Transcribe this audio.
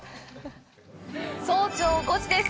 早朝５時です。